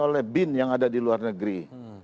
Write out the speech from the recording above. oleh bin yang ada di luar negeri